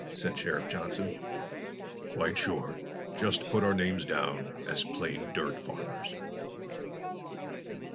said Sheriff Johnson. "Quite sure. Just put our names down as plain dirt farmers."